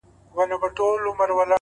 • خو نارې سوې چي بم ټوله ورځ ویده وي,